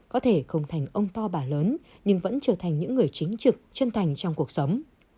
có thể không thành ông to bà lớn nhưng vẫn trở thành những người chính trực chân thành trong cuộc sống